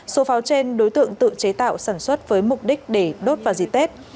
số pháo trên đối tượng tự chế tạo sản xuất với mục đích để đốt vào dịp tết